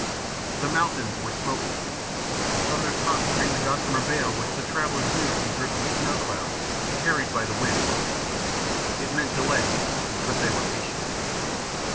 The mountains were "smoking"; from their tops streamed a gossamer veil which the travelers knew to be drifting snow clouds carried by the wind. It meant delay, but they were patient.